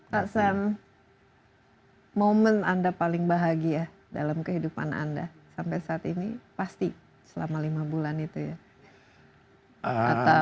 pak sam momen anda paling bahagia dalam kehidupan anda sampai saat ini pasti selama lima bulan itu ya